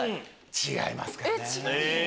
違いますかね。